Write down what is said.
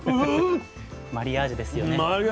マリアージュですよね。